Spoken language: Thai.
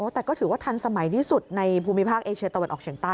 แต่ก็ถือว่าทันสมัยที่สุดในภูมิภาคเอเชียตะวันออกเฉียงใต้